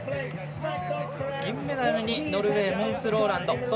銀メダルにノルウェーモンス・ローランド。